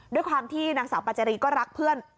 ด้วยความที่นางสาวปาเจรีก็รักเพื่อน